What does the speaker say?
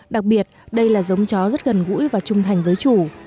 đặc biệt đây là giống chó rất gần gũi và trung thành với chủ